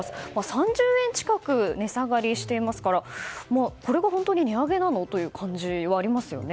３０円近く値下がりしていますからこれが本当に値上げなの？という感じはありますよね。